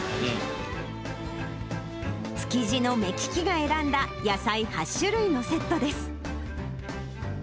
築地の目利きが選んだ、野菜８種類のセットです。